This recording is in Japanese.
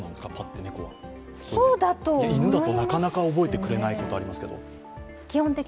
犬だとなかなか覚えてくれないことがありますけど。